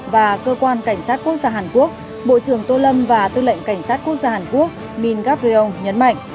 và cơ quan cảnh sát quốc gia hàn quốc bộ trưởng tô lâm và tư lệnh cảnh sát quốc gia hàn quốc ming gapriong nhấn mạnh